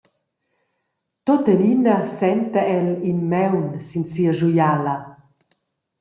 Tuttenina senta el in maun sin sia schuiala.